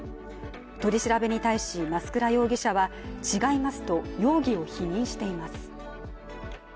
取り調べに対し増倉容疑者は違いますと、容疑を否認しています。